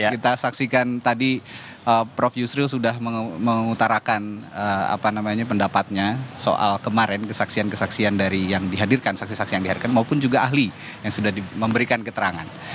kita saksikan tadi prof yusril sudah mengutarakan pendapatnya soal kemarin kesaksian kesaksian dari yang dihadirkan saksi saksi yang dihadirkan maupun juga ahli yang sudah memberikan keterangan